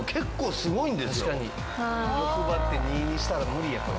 欲張って２にしたら無理やこれ。